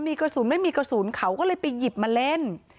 มีกระสุนไม่มีกระสุนเขาก็เลยไปหยิบมาเล่น